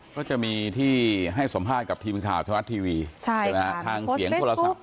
ก็จะมีที่ให้สัมภาษณ์กับทีมข่าวธรรมรัฐทีวีทางเสียงโทรศัพท์